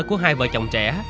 của hai vợ chồng trẻ